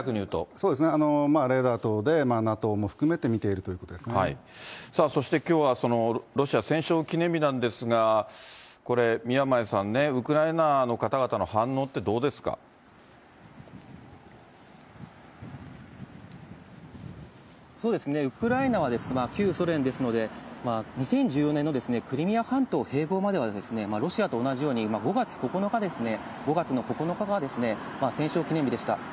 そうですね、レーダー等でＮＡＴＯも含めて見ているというこそしてきょうはロシア戦勝記念日なんですが、これ、宮前さんね、ウクライナの方々の反応ってウクライナは旧ソ連ですので、２０１４年のクリミア半島併合前はロシアと同じように、５月９日ですね、５月の９日が戦勝記念日でした。